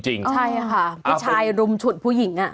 ใช่ค่ะผู้ชายรุมฉุดผู้หญิง